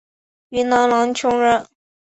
云南浪穹人。